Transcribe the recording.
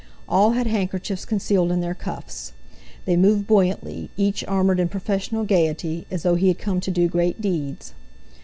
All had handkerchiefs concealed in their cuffs. They moved buoyantly, each armoured in professional gaiety, as though he had come to do great deeds.